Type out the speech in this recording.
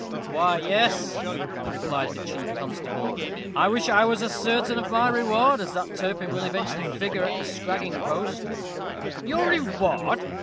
"Why, yes," replied the chief constable. "I wish I was as certain of my reward as that Turpin will eventually figure at the scragging post." "Your reward!"